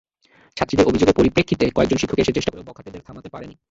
ছাত্রীদের অভিযোগের পরিপ্রেক্ষিতে কয়েকজন শিক্ষক এসে চেষ্টা করেও বখাটেদের থামাতে পারেনি।